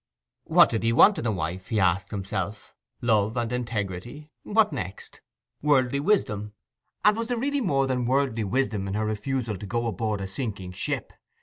What did he want in a wife? he asked himself. Love and integrity. What next? Worldly wisdom. And was there really more than worldly wisdom in her refusal to go aboard a sinking ship?